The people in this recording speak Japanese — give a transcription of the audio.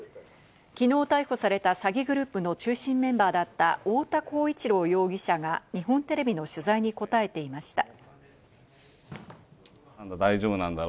昨日、逮捕された詐欺グループの中心メンバーだった太田浩一朗容疑者が日本テレビの取材に答えていました。